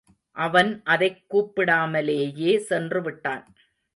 அவன் அதைக் கூப்பிடாமலேயே சென்றுவிட்டான்.